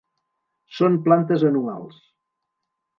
Són plantes anuals.